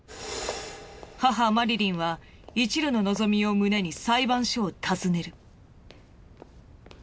母マリリンはいちるの望みを胸に裁判所を訪ねる。